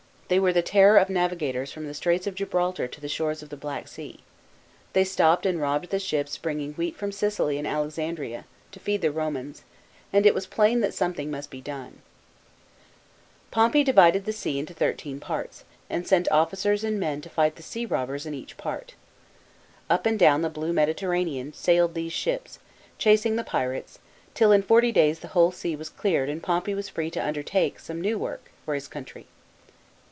They were the terror of navigators from the Straits of Gibraltar, to the shores of the Black Sea ; they stopped and robbed the ships bringing wheat from Sicily and Alexandria, to feed the llomans, and it was plain that something must be done. B.C. 61. J TRIUMPH OF POMPEY. 179 * Pompey divided the sea into thirteen parts, and sent officers and men to fight the sea robbers in each part. Up and down the blue Mediterranean, sailed these ships, chasing the pirates, till in forty days the whole sea was cleared and Pompey was free to undertake some new work, for his country.